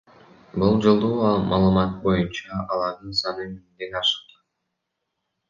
Болжолдуу маалыматтар боюнча, алардын саны миңден ашык.